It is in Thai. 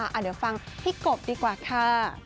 เดี๋ยวฟังพี่กบดีกว่าค่ะ